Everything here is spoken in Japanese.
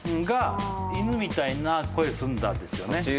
「が犬みたいな声すんだ」ですよね。